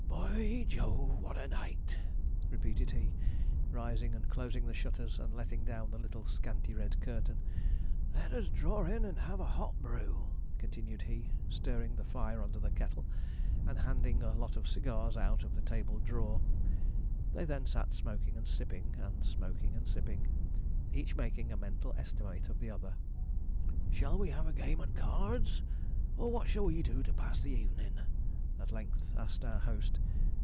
'B o y Jove, what a night!' repeated he, rising and closing the shutters, and letting down the little scanty red curtain. 'Let us draw in and have a hot brew,' continued he, stirring the fire under the kettle, and handing a lot of cigars out of the table drawer. They then sat smoking and sipping, and smoking and sipping, each making a mental estimate of the other. 'Shall we have a game at cards? or what shall we do to pass the evenin'?' at length asked our host.